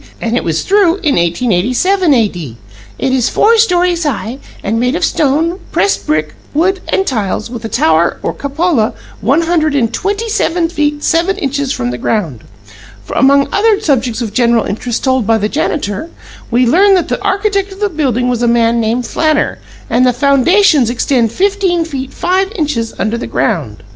and it was through in 1887 A.D. It is four stories high and made of stone, pressed brick, wood, and tiles, with a tower, or cupola, one hundred and twenty seven feet seven inches from the ground. Among other subjects of general interest told by the janitor, we learn that the architect of the building was a man named Flanner, and the foundations extend fifteen feet five inches under the ground.'"